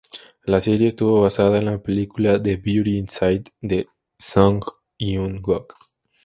La serie estuvo basada en la película "The Beauty Inside" de Song Hyun-wook.